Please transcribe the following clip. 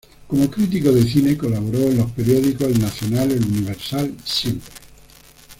Como crítico de cine colaboró en los periódicos "El Nacional", "El Universal", "Siempre!